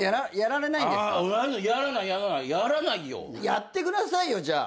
やってくださいよじゃあ。